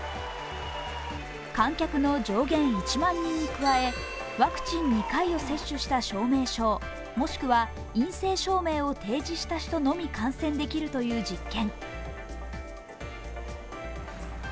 観客の上限１万人に加え、ワクチン２回を接種した証明書、もしくは陰性証明を提示した人のみ観戦できるという実験。